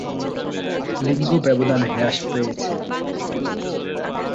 লিঙ্গ-ব্যবধান হ্রাস পেয়েছে।